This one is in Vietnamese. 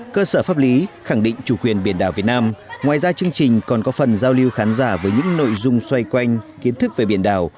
cơ sở pháp lý khẳng định chủ quyền biển đảo việt nam ngoài ra chương trình còn có phần giao lưu khán giả với những nội dung xoay quanh kiến thức về biển đảo